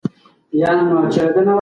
نازو انا یوه مېړنۍ پښتنه وه.